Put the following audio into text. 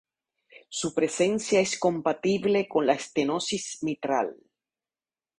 Su presencia es incompatible con la estenosis mitral.